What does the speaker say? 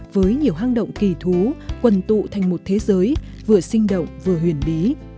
với nhiều hang động kỳ thú quầy tụ thành một thế giới vừa sinh động vừa huyền bí